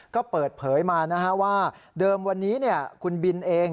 ก็เปิดเผยมาว่าเดิมวันนี้คุณบินเอง